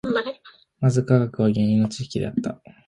まず科学は原因の知識であった。